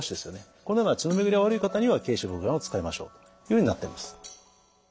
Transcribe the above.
このような血の巡りが悪い方には桂枝茯苓丸を使いましょうというふうになっています。